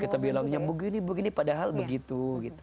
kita bilangnya begini begini padahal begitu